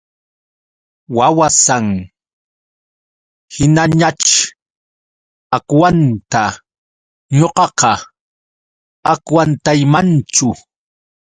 Wawasan hinañaćh agwantan ñuqaqa agwantaymanchu.